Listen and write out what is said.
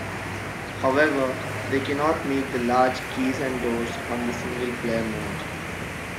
However, they cannot make the large keys and doors on single player mode.